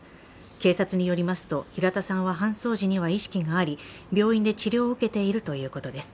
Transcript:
警察によりますと、平田さんは搬送時には意識があり、病院で治療を受けているということです。